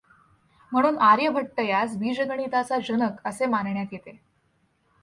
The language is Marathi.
म्हणून आर्यभट्ट यास बीजगणिताचा जनक असे मानण्यात येते.